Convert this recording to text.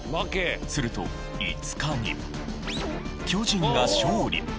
すると５日に巨人が勝利。